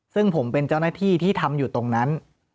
ซึ่งผมเป็นเจ้าหน้าที่ที่ทำอยู่ตรงนั้น